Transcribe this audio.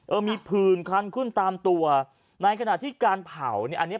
เออมีผื่นคันขึ้นตามตัวในขณะที่การเผาเนี่ยอันเนี้ย